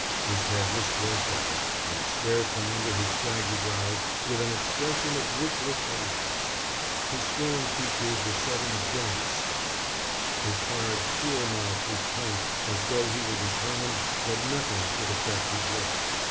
His head was thrust out and he stared from under his shaggy brows with an expression of ruthless violence; his strong features were set in a villainous scowl; his hard, cruel mouth was clenched as though he were determined that nothing should affect his will.